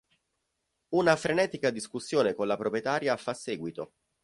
Una frenetica discussione con la proprietaria fa seguito.